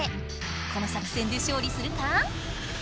この作戦で勝利するか？